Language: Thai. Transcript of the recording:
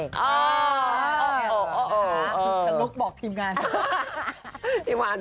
ออกจะลุกบอกทีมงาน